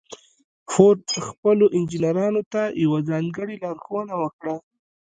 فورډ خپلو انجنيرانو ته يوه ځانګړې لارښوونه وکړه.